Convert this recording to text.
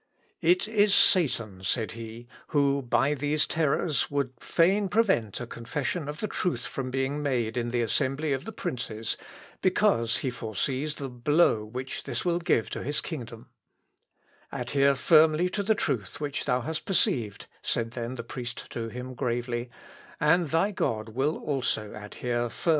"It is Satan," said he, "who, by these terrors, would fain prevent a confession of the truth from being made in the assembly of the princes, because he foresees the blow which this will give to his kingdom." "Adhere firmly to the truth which thou hast perceived," said then the priest to him gravely, "and thy God will also adhere firmly to thee." "Terrorem hunc a Sathana sibi dixit adferri...." (Melch.